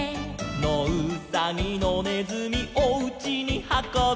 「のうさぎのねずみおうちにはこぶ」